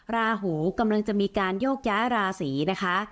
ราหูกำลังจะมีการโยกย้ายราศีนะคะ